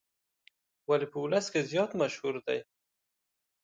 ولې په ولس کې زیات مشهور دی.